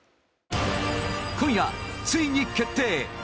今夜、ついに決定！